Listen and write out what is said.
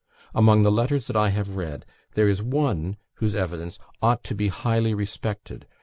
Among the letters that I have read, there is one whose evidence ought to be highly respected.